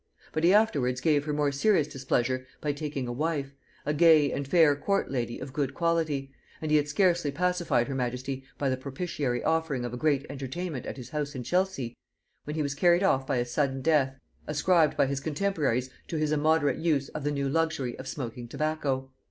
But he afterwards gave her more serious displeasure by taking a wife, a gay and fair court lady of good quality; and he had scarcely pacified her majesty by the propitiatory offering of a great entertainment at his house in Chelsea, when he was carried off by a sudden death, ascribed by his contemporaries to his immoderate use of the new luxury of smoking tobacco.